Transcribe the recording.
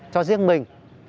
cho riêng mình